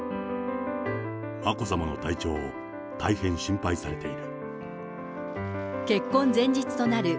眞子さまの体調を大変心配されている。